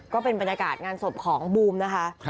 ก็เป็นบรรยากาศงานศพของบูมนะคะ